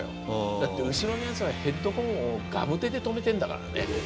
だって後ろのやつはヘッドホンをガムテで留めてんだからね。